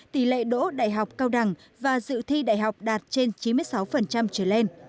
tỷ lệ đỗ đại học cao đẳng và dự thi đại học đạt trên chín mươi sáu trở lên